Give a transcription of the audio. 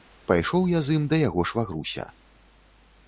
Пайшоў я з ім да яго швагруся.